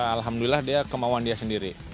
alhamdulillah dia kemauan dia sendiri